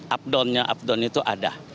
updownnya updown itu ada